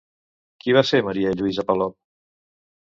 Qui va ser María Luisa Palop?